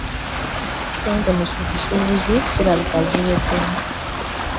Ssente mu busuubuzi kirabika ziweddemu.